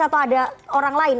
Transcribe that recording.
atau ada orang lain